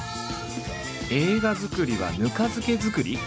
映画作りはぬか漬け作り？